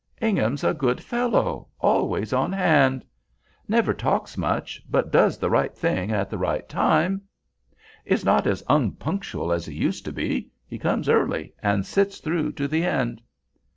"Ingham's a good fellow—always on hand"; "never talks much—but does the right thing at the right time"; "is not as unpunctual as he used to be—he comes early, and sits through to the end."